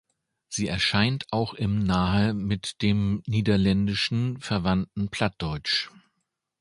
Sie erscheint auch im nahe mit dem Niederländischen verwandten Plattdeutsch.